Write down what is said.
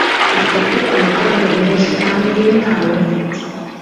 Ufite amafaranga menshi, kandi ntayo mfite.